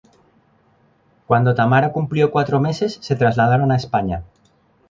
Cuando Tamara cumplió cuatro meses se trasladaron a España.